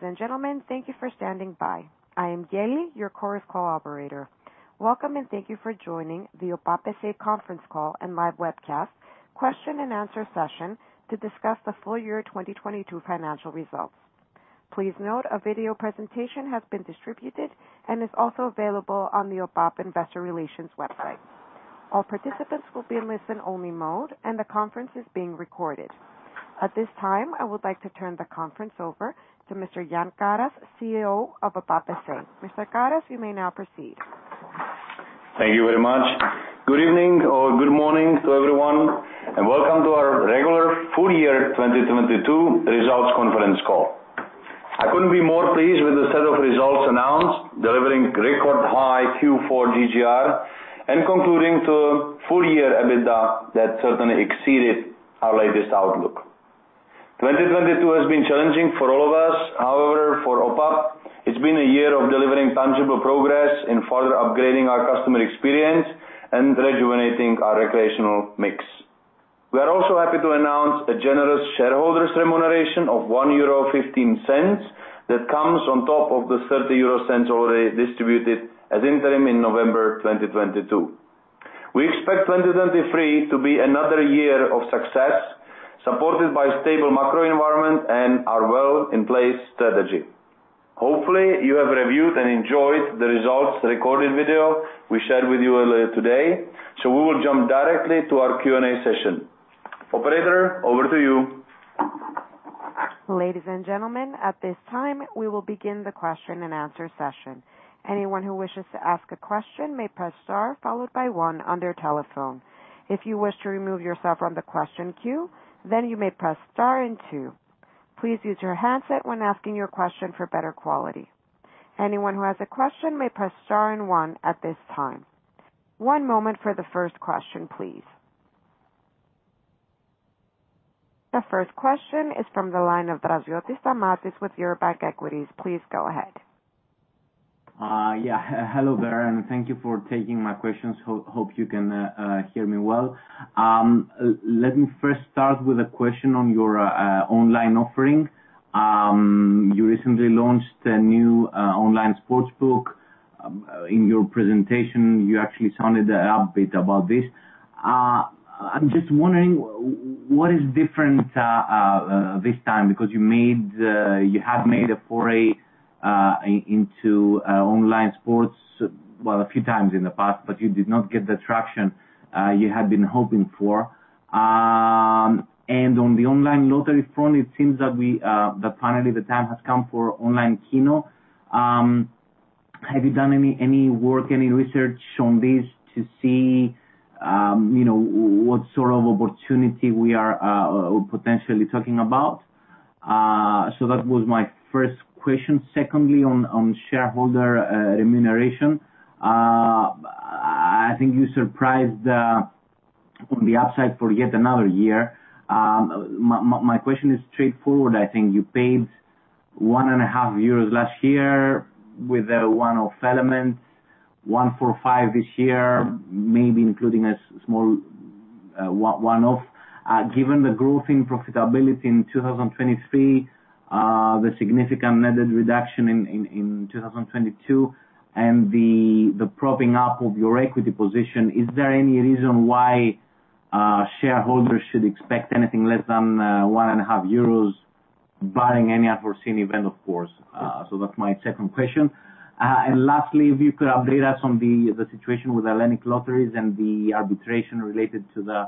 Ladies and gentlemen, thank you for standing by. I am Geli, your Chorus Call Operator. Welcome, thank you for joining the OPAP S.A. conference call and live webcast question and answer session to discuss the full year 2022 financial results. Please note, a video presentation has been distributed and is also available on the OPAP investor relations website. All participants will be in listen-only mode. The conference is being recorded. At this time, I would like to turn the conference over to Mr. Jan Karas, CEO of OPAP S.A. Mr. Karas, you may now proceed. Thank you very much. Good evening or good morning to everyone, welcome to our regular full year 2022 results conference call. I couldn't be more pleased with the set of results announced, delivering record high Q4 GGR and concluding to full year EBITDA that certainly exceeded our latest outlook. 2022 has been challenging for all of us. However, for OPAP, it's been a year of delivering tangible progress in further upgrading our customer experience and rejuvenating our recreational mix. We are also happy to announce a generous shareholders remuneration of 1.15 euro that comes on top of the 0.30 already distributed as interim in November 2022. We expect 2023 to be another year of success, supported by stable macro environment and our well in place strategy. Hopefully, you have reviewed and enjoyed the results recorded video we shared with you earlier today. We will jump directly to our Q&A session. Operator, over to you. Ladies and gentlemen, at this time, we will begin the question-and-answer session. Anyone who wishes to ask a question may press star followed by one on their telephone. If you wish to remove yourself from the question queue, then you may press star and two. Please use your handset when asking your question for better quality. Anyone who has a question may press star and one at this time. One moment for the first question, please. The first question is from the line of Draziotis, Stamatis with Eurobank Equities. Please go ahead. Yeah. Hello there, thank you for taking my questions. Hope you can hear me well. Let me first start with a question on your online offering. You recently launched a new online sports book. In your presentation, you actually sounded a bit about this. I'm just wondering what is different this time because you have made a foray into online sports, well, a few times in the past, you did not get the traction you had been hoping for. On the online lottery front, it seems that we that finally the time has come for online KINO. Have you done any work, any research on this to see, you know, what sort of opportunity we are potentially talking about? That was my first question. Secondly, on shareholder remuneration. I think you surprised on the upside for yet another year. My question is straightforward. I think you paid one and a half euros last year with a one-off element, 1.45 this year, maybe including a small one-off. Given the growth in profitability in 2023, the significant net head reduction in 2022 and the propping up of your equity position, is there any reason why shareholders should expect anything less than one and a half euros barring any unforeseen event, of course? That's my second question. Lastly, if you could update us on the situation with Hellenic Lotteries and the arbitration related to the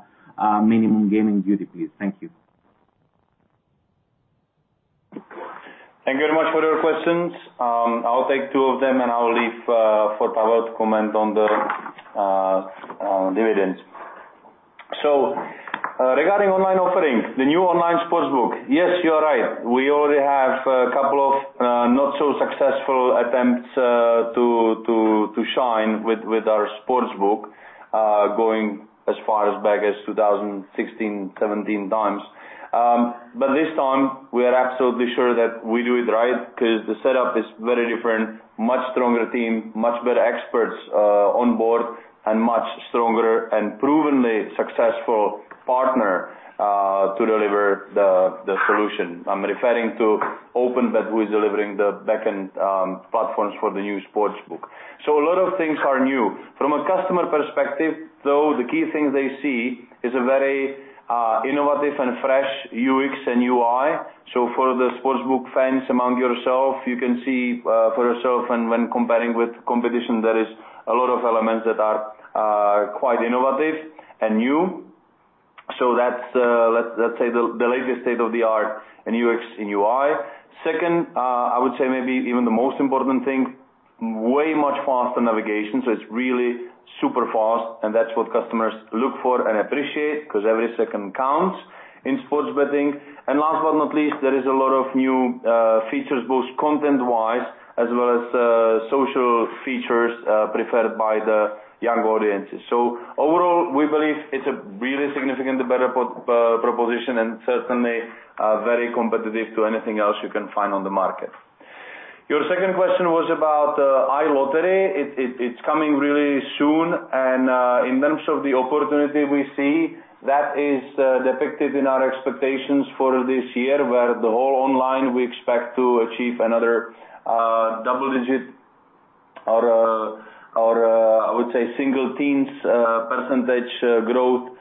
minimum gaming duty, please. Thank you. Thank you very much for your questions. I'll take two of them, and I'll leave for Pavel to comment on the dividends. Regarding online offering, the new online sports book, yes, you are right. We already have a couple of not so successful attempts to shine with our sports book, going as far as back as 2016, 2017 times. This time, we are absolutely sure that we do it right 'cause the setup is very different, much stronger team, much better experts on board and much stronger and provenly successful partner to deliver the solution. I'm referring to OpenBet who is delivering the backend platforms for the new sports book. A lot of things are new. From a customer perspective, though, the key thing they see is a very innovative and fresh UX and UI. For the sports book fans among yourself, you can see for yourself and when comparing with competition, there is a lot of elements that are quite innovative and new. That's let's say the latest state-of-the-art in UX and UI. Second, I would say maybe even the most important thing, way much faster navigation. It's really super fast, and that's what customers look for and appreciate 'cause every second counts in sports betting. Last but not least, there is a lot of new features, both content-wise as well as social features, preferred by the young audiences. Overall, we believe it's a really significantly better proposition and certainly, very competitive to anything else you can find on the market. Your second question was about iLottery. It's coming really soon. In terms of the opportunity we see, that is depicted in our expectations for this year, where the whole online we expect to achieve another double-digit or, I would say single-teens, % growth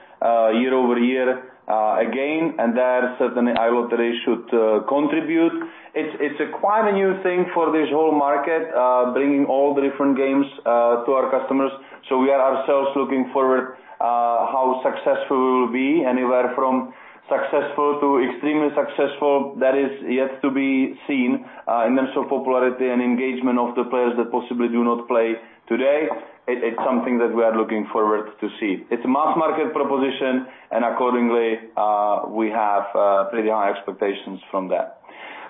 year-over-year again. There certainly iLottery should contribute. It's a quite a new thing for this whole market, bringing all the different games to our customers. We are ourselves looking forward how successful we'll be. Anywhere from successful to extremely successful, that is yet to be seen, in terms of popularity and engagement of the players that possibly do not play today. It's something that we are looking forward to see. It's a mass market proposition, and accordingly, we have pretty high expectations from that.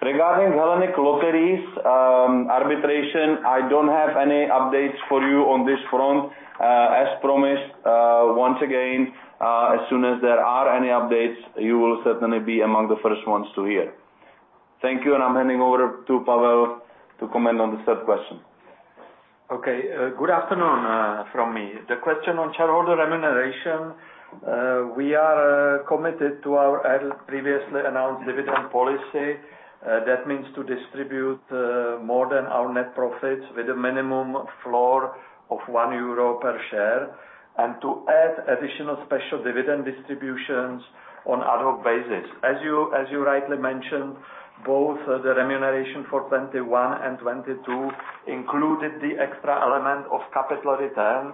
Regarding Hellenic Lotteries, arbitration, I don't have any updates for you on this front. As promised, once again, as soon as there are any updates, you will certainly be among the first ones to hear. Thank you, and I'm handing over to Pavel to comment on the third question. Okay. Good afternoon from me. The question on shareholder remuneration, we are committed to our previously announced dividend policy. That means to distribute more than our net profits with a minimum floor of 1 euro per share, and to add additional special dividend distributions on ad hoc basis. As you rightly mentioned, both the remuneration for 2021 and 2022 included the extra element of capital return.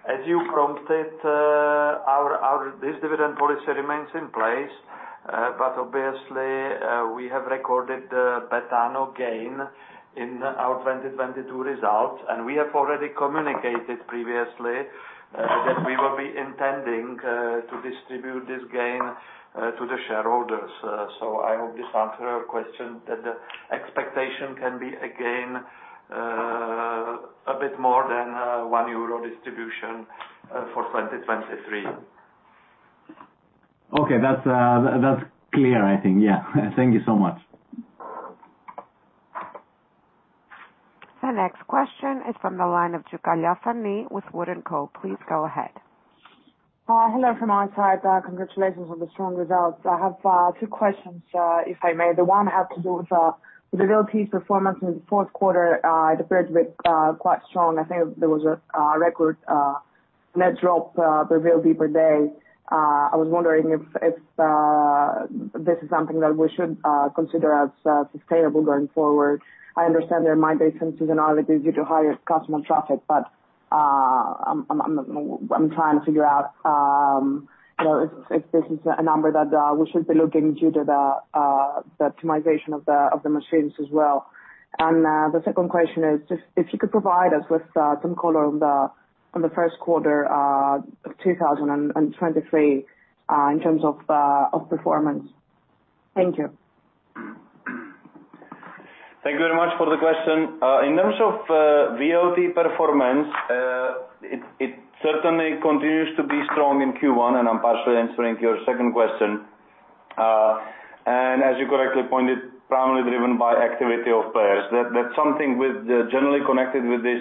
As you prompted, this dividend policy remains in place. But obviously, we have recorded the Betano gain in our 2022 results, and we have already communicated previously that we will be intending to distribute this gain to the shareholders. I hope this answers your question, that the expectation can be, again, a bit more than 1 euro distribution for 2023. Okay. That's, that's clear, I think. Yeah. Thank you so much. The next question is from the line of Tzioukalia, Fani with WOOD & Company. Please go ahead. Hello from our side. Congratulations on the strong results. I have 2 questions if I may. The one have to do with the VLT performance in the fourth quarter. It appears a bit quite strong. I think there was a record net drop, the VLT per day. I was wondering if this is something that we should consider as sustainable going forward. I understand there might be some seasonality due to higher customer traffic, but I'm trying to figure out, you know, if this is a number that we should be looking due to the optimization of the machines as well. The second question is just if you could provide us with some color on the first quarter of 2023 in terms of performance. Thank you. Thank you very much for the question. In terms of VLT performance, it certainly continues to be strong in Q1, and I'm partially answering your second question. As you correctly pointed, primarily driven by activity of players. That's something with generally connected with this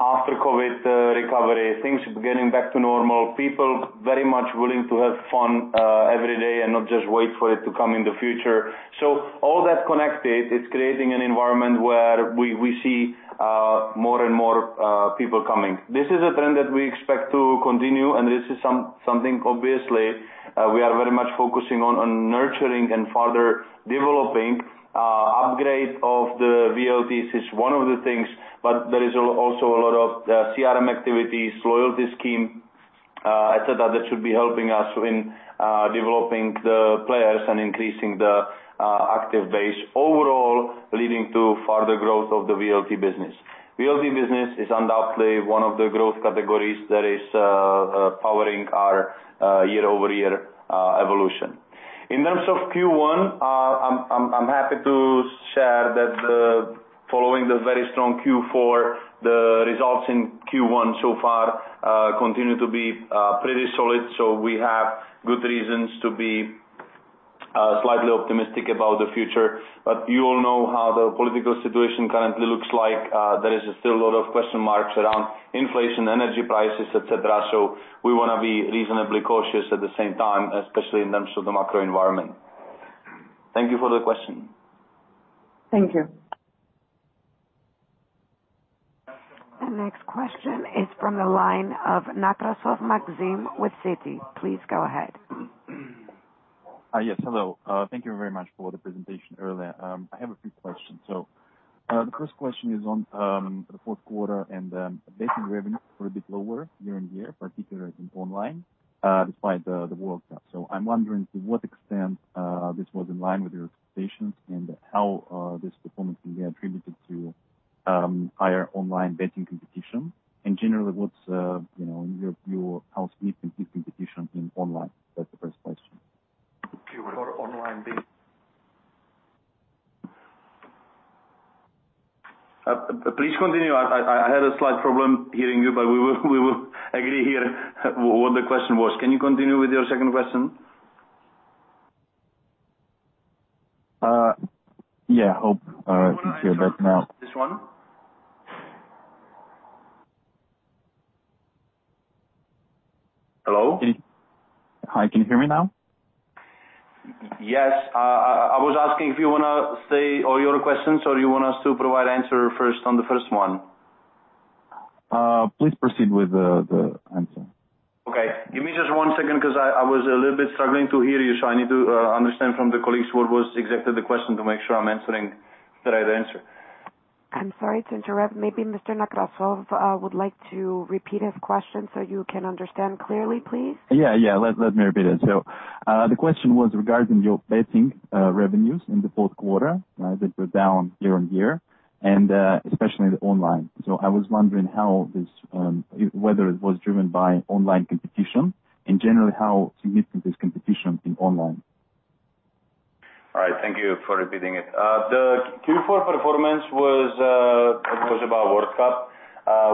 after COVID recovery. Things getting back to normal, people very much willing to have fun every day and not just wait for it to come in the future. All that connected is creating an environment where we see more and more people coming. This is a trend that we expect to continue. This is something obviously we are very much focusing on nurturing and further developing. Upgrade of the VLTs is one of the things, but there is also a lot of CRM activities, loyalty scheme, etcetera, that should be helping us in developing the players and increasing the active base overall, leading to further growth of the VLT business. VLT business is undoubtedly one of the growth categories that is powering our year-over-year evolution. In terms of Q1, I'm happy to share that following the very strong Q4, the results in Q1 so far continue to be pretty solid. We have good reasons to be slightly optimistic about the future. You all know how the political situation currently looks like. There is still a lot of question marks around inflation, energy prices, etcetera. We wanna be reasonably cautious at the same time, especially in terms of the macro environment. Thank you for the question. Thank you. The next question is from the line of Nekrasov, Maxim with Citi. Please go ahead. Yes. Hello. Thank you very much for the presentation earlier. I have a few questions. The first question is on the fourth quarter and betting revenue were a bit lower year-on-year, particularly in online, despite the World Cup. I'm wondering to what extent this was in line with your expectations and how this performance can be attributed to higher online betting competition. Generally, what's, you know, in your view, how steep is this competition in online? That's the first question. For online Please continue. I had a slight problem hearing you. We will agree here what the question was. Can you continue with your second question? Yeah. Hope, you can hear better now. Do you wanna repeat this one? Hello? Hi, can you hear me now? Yes. I was asking if you wanna say all your questions or you want us to provide answer first on the first one. Please proceed with the answer. Okay. Give me just one second 'cause I was a little bit struggling to hear you, so I need to understand from the colleagues what was exactly the question to make sure I'm answering the right answer. I'm sorry to interrupt. Maybe Mr. Nekrasov would like to repeat his question so you can understand clearly, please. Yeah, yeah. Let me repeat it. The question was regarding your betting revenues in the fourth quarter, right? That were down year-over-year, and especially the online. I was wondering how this whether it was driven by online competition, and generally how significant is competition in online. All right. Thank you for repeating it. The Q4 performance was, it was about World Cup.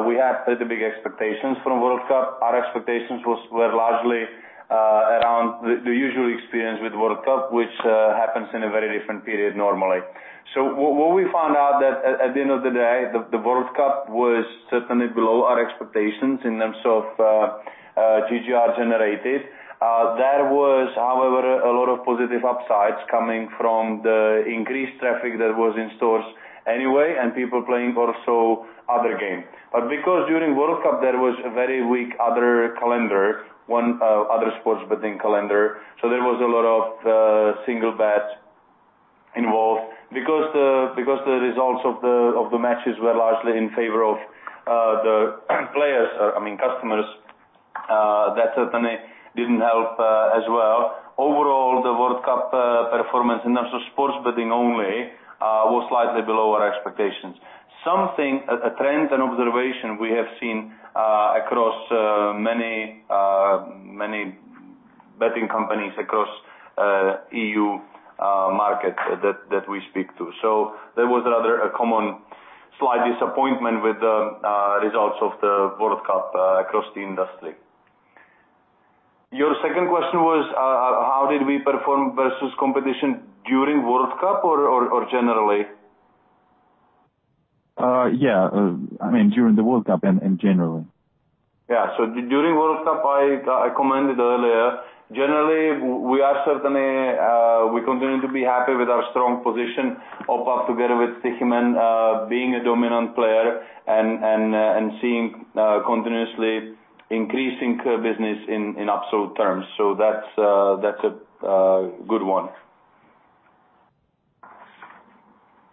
We had pretty big expectations from World Cup. Our expectations were largely around the usual experience with World Cup, which happens in a very different period normally. What we found out that at the end of the day, the World Cup was certainly below our expectations in terms of GGR generated. There was, however, a lot of positive upsides coming from the increased traffic that was in stores anyway and people playing also other game. Because during World Cup there was a very weak other calendar, one other sports betting calendar, there was a lot of single bets involved. The results of the matches were largely in favor of the players, I mean, customers, that certainly didn't help as well. Overall, the World Cup performance in terms of sports betting only was slightly below our expectations. Something, a trend and observation we have seen across many betting companies across EU markets that we speak to. There was rather a common slight disappointment with the results of the World Cup across the industry. Your second question was, how did we perform versus competition during World Cup or generally? Yeah. I mean, during the World Cup and generally. Yeah. During World Cup, I commented earlier. Generally, we are certainly, we continue to be happy with our strong position OPAP together with Sazka, being a dominant player and seeing continuously increasing business in absolute terms. That's a good one.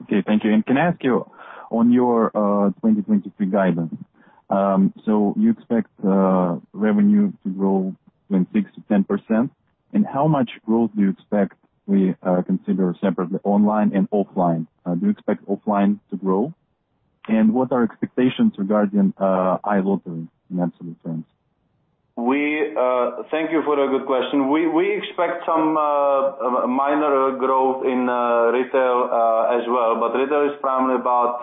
Okay. Thank you. Can I ask you on your 2023 guidance, you expect revenue to grow between 6% to 10%? How much growth do you expect we consider separately online and offline? Do you expect offline to grow? What are expectations regarding iLottery in absolute terms? Thank you for the good question. We expect some minor growth in retail as well, but retail is primarily about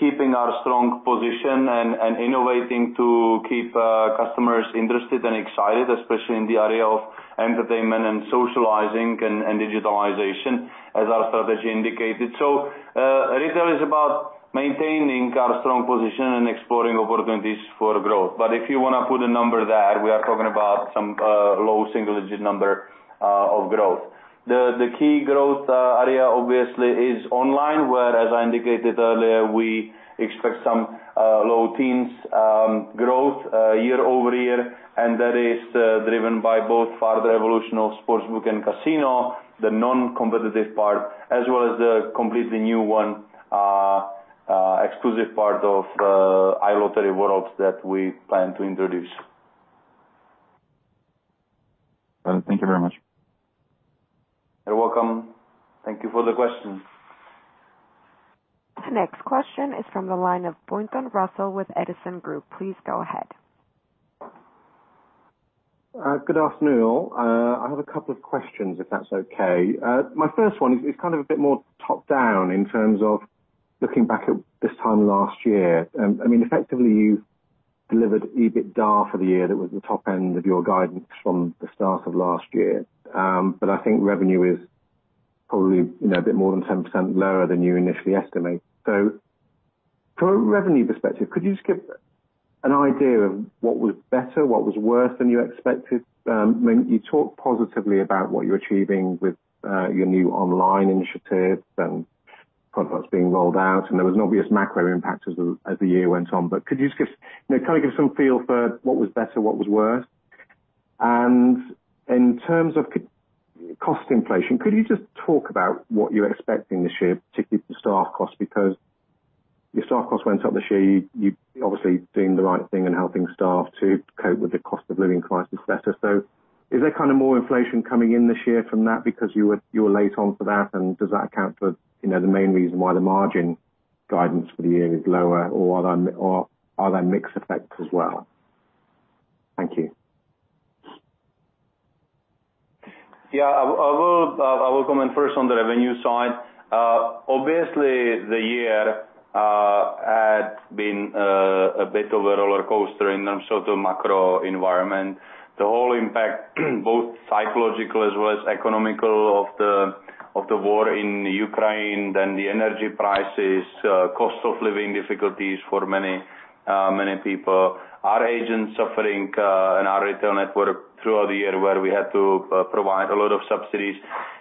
keeping our strong position and innovating to keep customers interested and excited, especially in the area of entertainment and socializing and digitalization as our strategy indicated. Retail is about maintaining our strong position and exploring opportunities for growth. If you wanna put a number there, we are talking about some low single digit number of growth. The key growth area obviously is online, where, as I indicated earlier, we expect some low teens growth year-over-year, and that is driven by both further evolution of sports book and casino, the non-competitive part, as well as the completely new one, exclusive part of iLottery worlds that we plan to introduce. Thank you very much. You're welcome. Thank you for the question. The next question is from the line of Pointon, Russell with Edison Group. Please go ahead. Good afternoon. I have 2 questions, if that's okay. My first one is kind of a bit more top-down in terms of looking back at this time last year. I mean, effectively, you've delivered EBITDA for the year that was the top end of your guidance from the start of last year. I think revenue is probably, you know, a bit more than 10% lower than you initially estimate. From a revenue perspective, could you just give an idea of what was better, what was worse than you expected? I mean, you talked positively about what you're achieving with your new online initiatives and products being rolled out, and there was an obvious macro impact as the year went on. Could you just give, you know, kind of give some feel for what was better, what was worse? In terms of cost inflation, could you just talk about what you're expecting this year, particularly for staff costs, because your staff costs went up this year. You've obviously doing the right thing and helping staff to cope with the cost of living crisis better. Is there kind of more inflation coming in this year from that because you were late on for that, and does that account for, you know, the main reason why the margin guidance for the year is lower, or are there mix effects as well? Thank you. Yeah, I will comment first on the revenue side. Obviously the year had been a bit of a rollercoaster in terms of the macro environment. The whole impact both psychological as well as economical of the war in Ukraine, then the energy prices, cost of living difficulties for many people. Our agents suffering and our retail network throughout the year where we had to provide a lot of subsidies.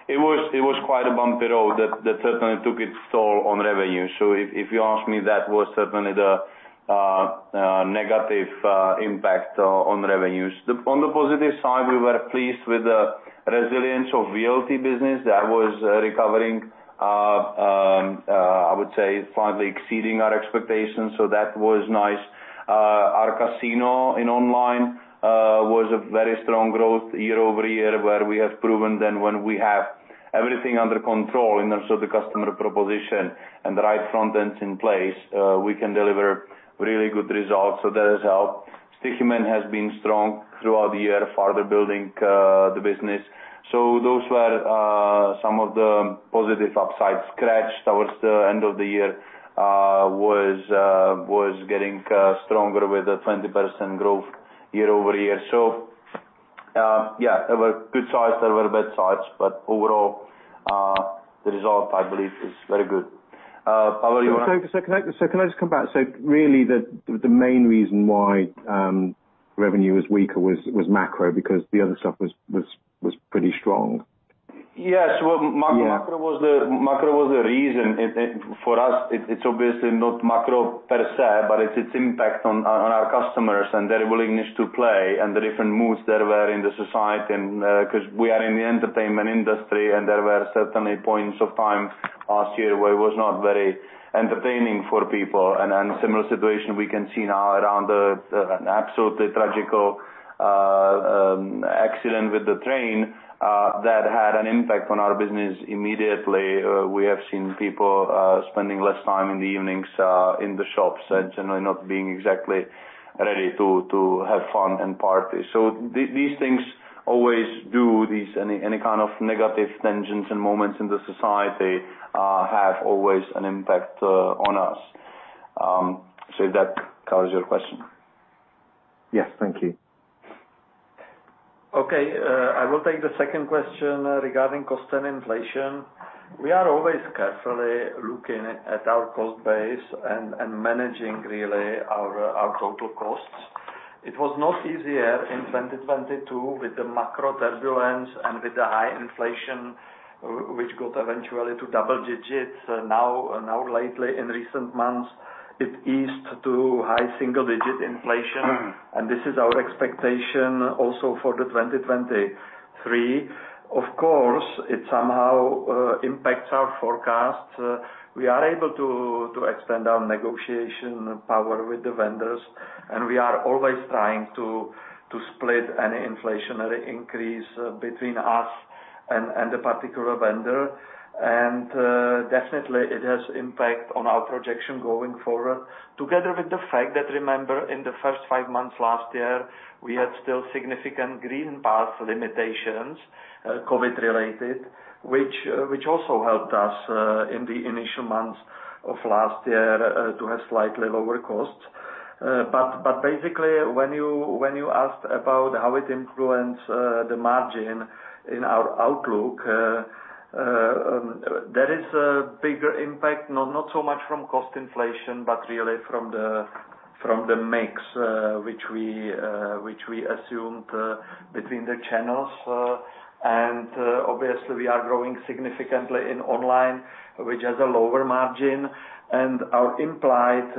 It was quite a bumpy road that certainly took its toll on revenue. If you ask me, that was certainly the negative impact on revenues. On the positive side, we were pleased with the resilience of VLT business that was recovering, I would say finally exceeding our expectations. That was nice. Our casino in online was a very strong growth year-over-year, where we have proven that when we have everything under control in terms of the customer proposition and the right front ends in place, we can deliver really good results. That has helped. Stoiximan has been strong throughout the year, further building the business. Those were some of the positive upsides. SCRATCH towards the end of the year was getting stronger with a 20% growth year-over-year. Yeah, there were good sides, there were bad sides, but overall, the result, I believe is very good. Pavel, you wanna? Can I just come back? Really the main reason why revenue was weaker was macro because the other stuff was pretty strong. Yes. Yeah. Macro was the reason. For us, it's obviously not macro per se, but it's its impact on our customers and their willingness to play and the different moods there were in the society, 'cause we are in the entertainment industry and there were certainly points of time last year where it was not very entertaining for people. Similar situation we can see now around the absolutely tragical accident with the train that had an impact on our business immediately. We have seen people spending less time in the evenings in the shops and generally not being exactly ready to have fun and party. These things always do these any kind of negative tensions and moments in the society have always an impact on us. If that covers your question. Yes. Thank you. Okay. I will take the second question regarding cost and inflation. We are always carefully looking at our cost base and managing really our total costs. It was not easier in 2022 with the macro turbulence and with the high inflation which got eventually to double digits. Now lately in recent months it eased to high single digit inflation. This is our expectation also for 2023. Of course, it somehow impacts our forecasts. We are able to extend our negotiation power with the vendors, and we are always trying to split any inflationary increase between us and the particular vendor. Definitely it has impact on our projection going forward together with the fact that remember in the first 5 months last year, we had still significant green pass limitations, COVID related, which also helped us in the initial months of last year to have slightly lower costs. But basically when you asked about how it influenced the margin in our outlook, there is a bigger impact, not so much from cost inflation, but really from the mix which we assumed between the channels. Obviously we are growing significantly in online, which has a lower margin. Our implied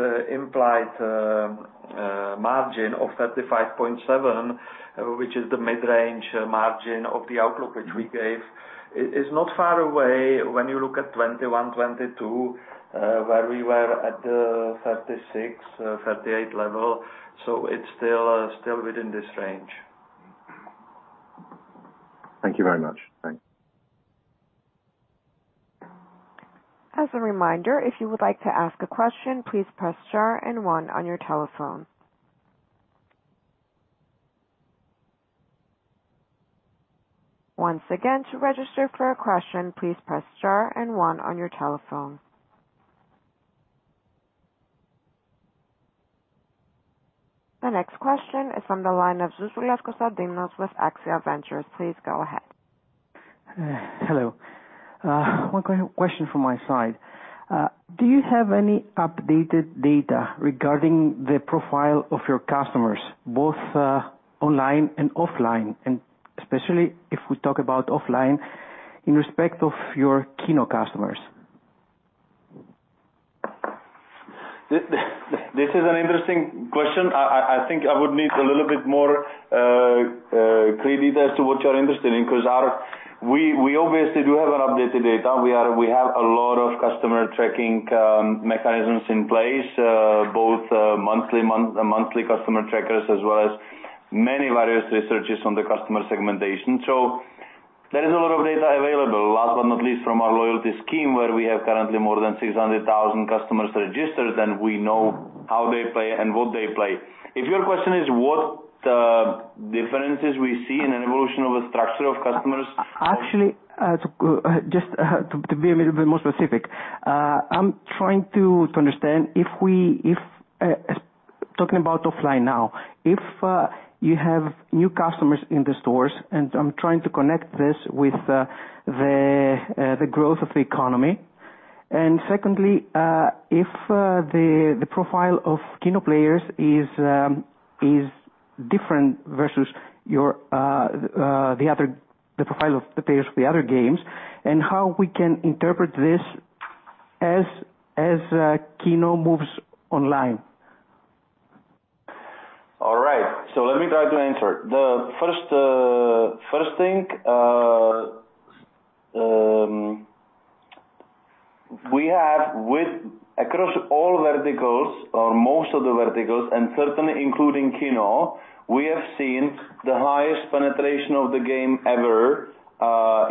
margin of 35.7%, which is the mid-range margin of the outlook which we gave, is not far away when you look at 2021, 2022, where we were at the 36%-38% level. It's still within this range. Thank you very much. Thanks. As a reminder, if you would like to ask a question, please press star and one on your telephone. Once again, to register for a question, please press star and one on your telephone. The next question is from the line of Constantinos Zouzoulas with AXIA Ventures Group. Please go ahead. Hello. One question from my side. Do you have any updated data regarding the profile of your customers, both online and offline, especially if we talk about offline in respect of your key KINO customers? This is an interesting question. I think I would need a little bit more clear detail as to what you're interested in, because We obviously do have an updated data. We have a lot of customer tracking mechanisms in place, both monthly customer trackers as well as many various researches on the customer segmentation. There is a lot of data. Not least from our loyalty scheme where we have currently more than 600,000 customers registered, and we know how they play and what they play. If your question is what differences we see in an evolution of a structure of customers. Actually, so just to be a little bit more specific, I'm trying to understand if, talking about offline now, if you have new customers in the stores, and I'm trying to connect this with the growth of the economy. Secondly, if the profile of KINO players is different versus your the profile of the players of the other games, and how we can interpret this as KINO moves online. All right. Let me try to answer. The first thing, we have across all verticals or most of the verticals, and certainly including KINO, we have seen the highest penetration of the game ever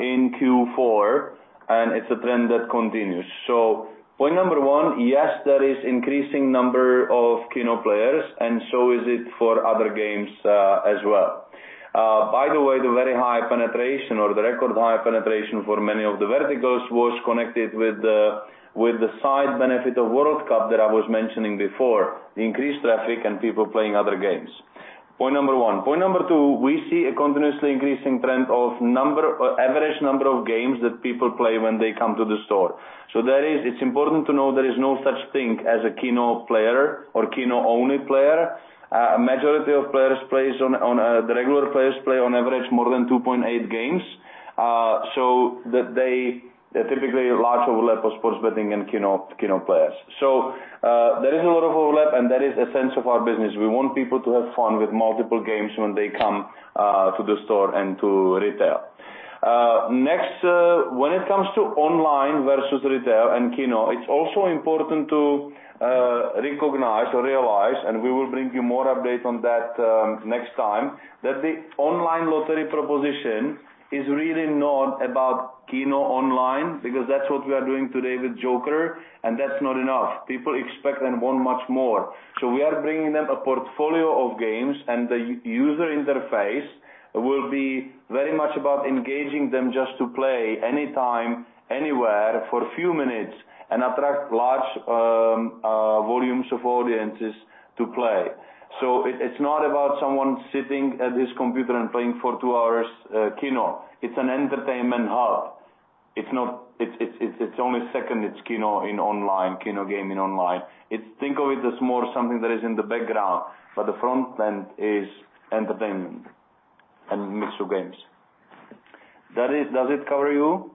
in Q4, and it's a trend that continues. Point number 1, yes, there is increasing number of KINO players, and so is it for other games as well. By the way, the very high penetration or the record high penetration for many of the verticals was connected with the side benefit of World Cup that I was mentioning before, increased traffic and people playing other games. Point number 1. Point number 2, we see a continuously increasing trend of number or average number of games that people play when they come to the store. It's important to know there is no such thing as a KINO player or KINO-only player. Majority of players plays on the regular players play on average more than 2.8 games, so that they typically large overlap of sports betting and KINO players. There is a lot of overlap, and that is a sense of our business. We want people to have fun with multiple games when they come to the store and to retail. Next, when it comes to online versus retail and KINO, it's also important to recognize or realize, and we will bring you more updates on that, next time, that the online lottery proposition is really not about KINO online, because that's what we are doing today with JOKER, and that's not enough. We are bringing them a portfolio of games, and the user interface will be very much about engaging them just to play anytime, anywhere for a few minutes and attract large, volumes of audiences to play. It's not about someone sitting at his computer and playing for two hours, KINO. It's an entertainment hub. It's only second, it's KINO in online, KINO game in online. Think of it as more something that is in the background, but the front end is entertainment and mix of games. Does it cover you?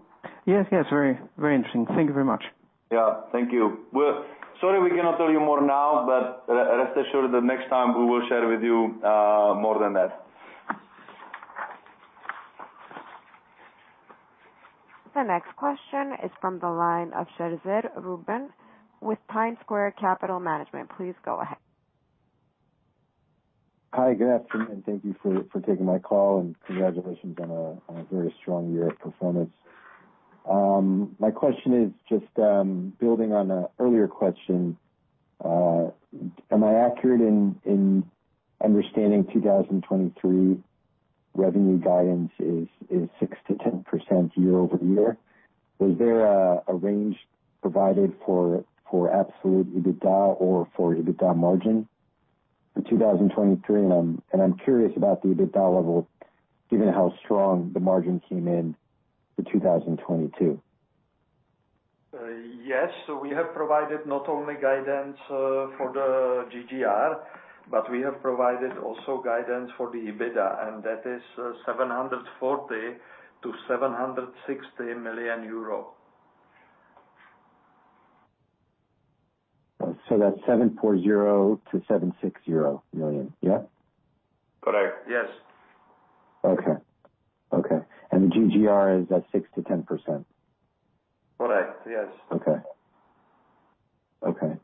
Yes, yes. Very, very interesting. Thank you very much. Yeah. Thank you. We're sorry we cannot tell you more now. Rest assured that next time we will share with you more than that. The next question is from the line of Sherzod Ruzmetov with PineSquare Capital Management. Please go ahead. Hi. Good afternoon, thank you for taking my call, and congratulations on a very strong year of performance. My question is just building on an earlier question. Am I accurate in understanding 2023 revenue guidance is 6% to 10% year-over-year? Was there a range provided for absolute EBITDA or for EBITDA margin for 2023? I'm curious about the EBITDA level, given how strong the margin came in for 2022. Yes. We have provided not only guidance for the GGR, but we have provided also guidance for the EBITDA, that is, 740 million to 760 million euro. That's 740 million to 760 million. Yeah? Correct. Yes. Okay. Okay. The GGR is at 6% to 10%? Correct. Yes. Okay. Okay.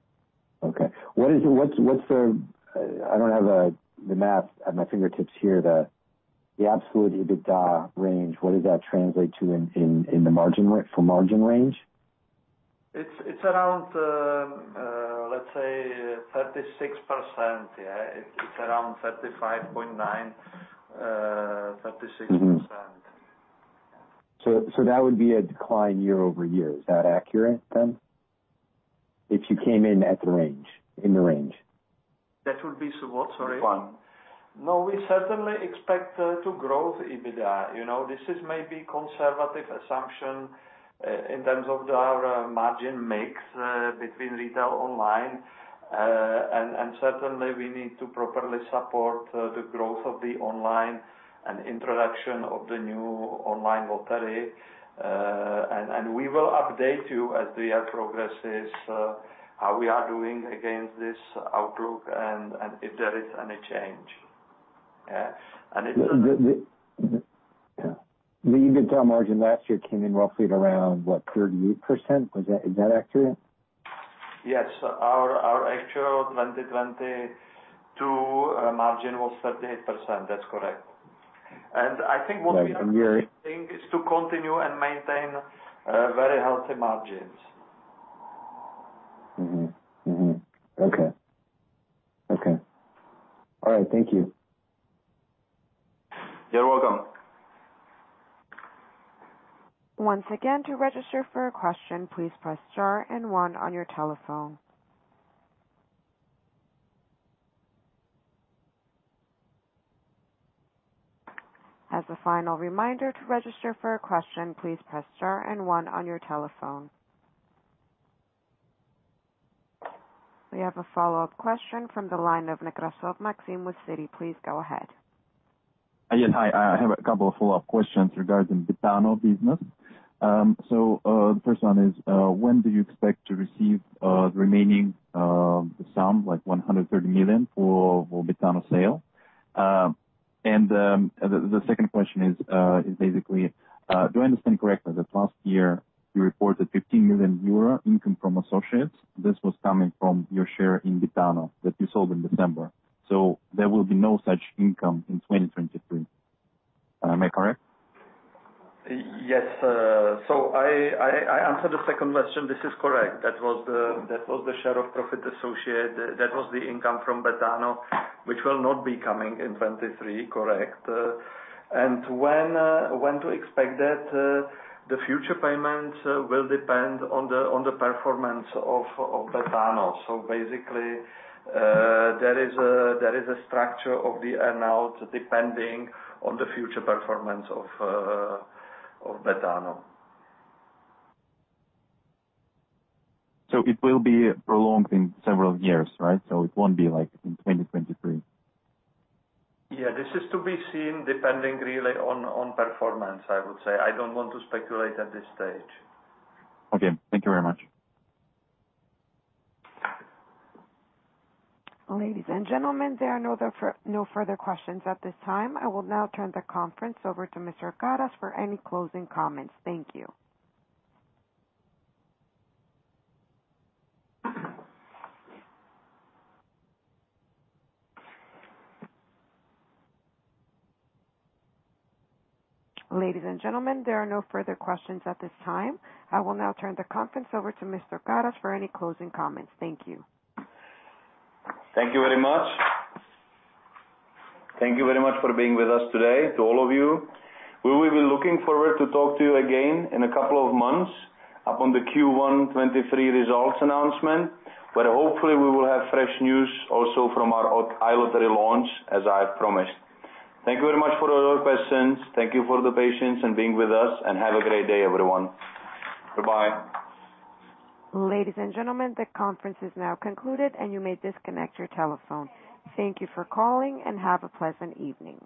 Okay. I don't have the math at my fingertips here. The absolute EBITDA range, what does that translate to in the margin for margin range? It's around, let's say 36%. Yeah. It's around 35.9, 36%. Mm-hmm. That would be a decline year-over-year. Is that accurate then if you came in at the range? That would be so what? Sorry. One. No, we certainly expect to grow the EBITDA. You know, this is maybe conservative assumption in terms of our margin mix between retail online. Certainly, we need to properly support the growth of the online and introduction of the new online lottery. We will update you as the year progresses how we are doing against this outlook and if there is any change. Yeah. The. Yeah. The EBITDA margin last year came in roughly at around, what, 38%? Is that accurate? Yes. Our, our actual 2022 margin was 38%. That's correct. Right. I hear you. think is to continue and maintain, very healthy margins. Mm-hmm. Mm-hmm. Okay. Okay. All right, thank you. You're welcome. Once again, to register for a question, please press star and one on your telephone. As a final reminder, to register for a question, please press star and one on your telephone. We have a follow-up question from the line of Nekrasov, Maxim with Citi. Please go ahead. Yes. Hi. I have a couple of follow-up questions regarding Betano business. The first one is, when do you expect to receive the remaining sum, like 130 million for Betano sale? The second question is, basically, do I understand correctly that last year you reported 15 million euro income from associates? This was coming from your share in Betano that you sold in December. There will be no such income in 2023. Am I correct? Yes. I, I answer the second question. This is correct. That was the, that was the share of profit associate. That was the income from Betano, which will not be coming in 2023. Correct. When to expect that the future payment will depend on the performance of Betano. Basically, there is a, there is a structure of the amount depending on the future performance of Betano. It will be prolonged in several years, right? It won't be like in 2023. Yeah. This is to be seen depending really on performance, I would say. I don't want to speculate at this stage. Okay. Thank you very much. Ladies and gentlemen, there are no further questions at this time. I will now turn the conference over to Mr. Karas for any closing comments. Thank you. Thank you very much. Thank you very much for being with us today to all of you. We will be looking forward to talk to you again in a couple of months upon the Q1 2023 results announcement, where hopefully we will have fresh news also from our iLottery launch as I have promised. Thank you very much for all your questions. Thank you for the patience and being with us, have a great day everyone. Goodbye. Ladies and gentlemen, the conference is now concluded, and you may disconnect your telephone. Thank you for calling, and have a pleasant evening.